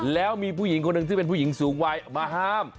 แล้วมีผู้หญิงคนหนึ่งซึ่งเป็นผู้หญิงสูงวัยมาห้าม